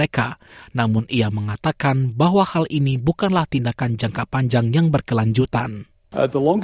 dutton mengatakan bahwa hal ini bukanlah tindakan jangka panjang yang berkelanjutan